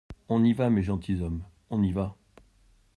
On y va, mes gentilshommes, on y va.